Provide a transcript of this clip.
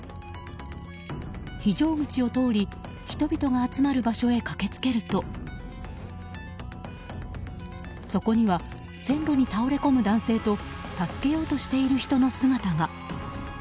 非常口を通り人々が集まる場所へ駆けつけるとそこには、線路に倒れ込む男性と助けようとしている人の姿が。